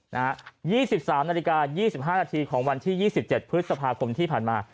๒๓นาฬิกา๒๕นาทีของวันที่๒๗พฤษภาคมที่ผ่านมา